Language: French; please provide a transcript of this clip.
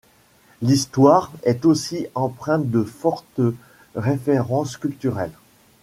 L'histoire est aussi empreinte de fortes références culturelles.